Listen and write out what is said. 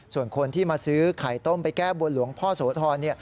ส่วนคนที่มาซื้อไข่ต้มไปแก้บนหลวงพ่อโสธร